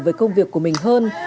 về công việc của mình hơn